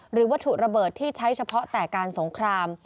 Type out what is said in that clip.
วัตถุระเบิดที่ใช้เฉพาะแต่การสงคราม